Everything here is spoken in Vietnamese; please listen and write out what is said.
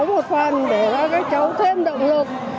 để cho các cháu một phần để cho các cháu thêm động lực